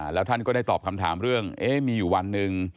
แล้วท่านก็ได้ตอบคำถามเรื่องมีอยู่วันหนึ่ง